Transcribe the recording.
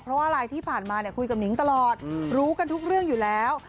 เพราะว่าอะไรที่ผ่านมาคุยกับหนิงตลอดรู้กันทุกเรื่องอยู่แล้ว